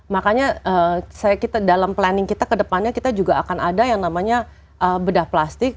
makanya dalam planning kita kedepannya kita juga akan ada yang namanya bedah plastik